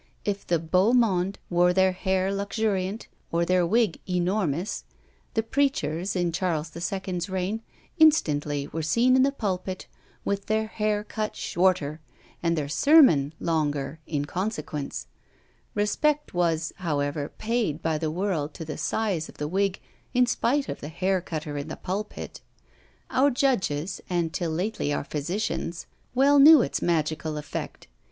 If the beau monde wore their hair luxuriant, or their wig enormous, the preachers, in Charles the Second's reign, instantly were seen in the pulpit with their hair cut shorter, and their sermon longer, in consequence; respect was, however, paid by the world to the size of the wig, in spite of the hair cutter in the pulpit. Our judges, and till lately our physicians, well knew its magical effect.